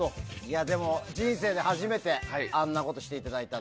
でも、人生で初めてあんなことしていただいたの。